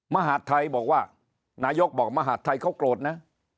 มหาดไทยบอกว่านายกบอกมหาดไทยเขาโกรธนะ